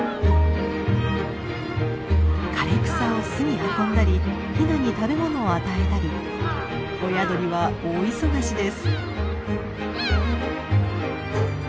枯れ草を巣に運んだりヒナに食べものを与えたり親鳥は大忙しです。